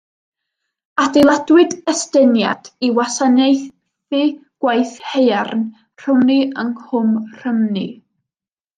Adeiladwyd estyniad i wasanaethu gwaith haearn Rhymni yng Nghwm Rhymni.